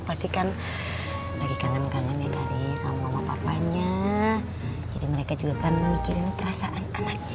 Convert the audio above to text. pasti kan lagi kangen kangen ya kali sama papanya jadi mereka juga kan memikirkan perasaan enaknya